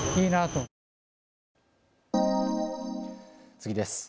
次です。